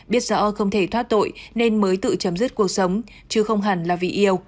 biết rõ không thể thoát tội nên mới tự chấm dứt cuộc sống chứ không hẳn là vì yêu